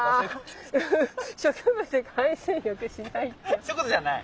そういうことじゃない？